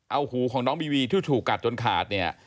เอาหูของน้องบีวีที่ถูกกัดจนขาดเนี่ย